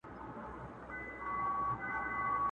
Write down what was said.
چي د کوچ خبر یې جام د اجل راسي،